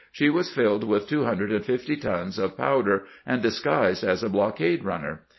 She was filled with two hundred and fifty tons of pow der, and disguised as a blockade runner.